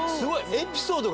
エピソードが。